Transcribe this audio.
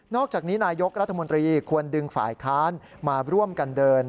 อกจากนี้นายกรัฐมนตรีควรดึงฝ่ายค้านมาร่วมกันเดิน